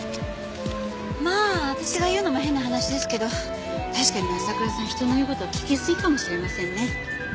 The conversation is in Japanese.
まあ私が言うのも変な話ですけど確かに朝倉さん人の言う事聞きすぎかもしれませんね。